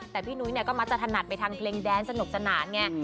แต่พี่หนุ๊ยก็มาจะถนัดไปทางเพลงแดนสนุกสนานไง